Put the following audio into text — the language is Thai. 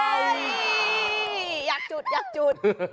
อยากจุดอยากจุด